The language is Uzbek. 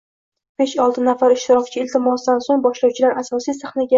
besh-olti nafar ishtirokchi iltimosidan so‘ng boshlovchilar asosiy sahnaga